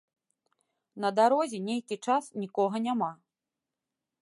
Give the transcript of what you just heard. На дарозе нейкі час нікога няма.